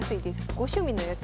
ご趣味のやつ。